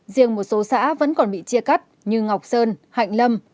riêng một số xã vẫn còn bị chia cắt như ngọc sơn hạnh lâm